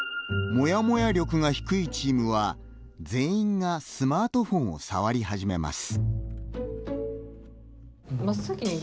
モヤモヤ力が低いチームは全員が、スマートフォンをさわり始めます。